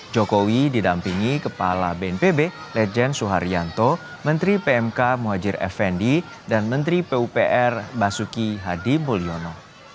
jokowi didampingi kepala bnpb lejen suharyanto menteri pmk muhajir effendi dan menteri pupr basuki hadi mulyono